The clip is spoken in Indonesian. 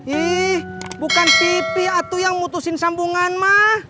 ih bukan pipi atuh yang mutusin sambungan ma